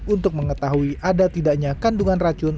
untuk mengetahui ada tidaknya kandungan racun